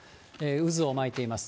渦を巻いています。